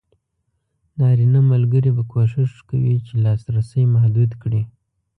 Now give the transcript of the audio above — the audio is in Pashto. نارینه ملګري به کوښښ کوي چې لاسرسی محدود کړي.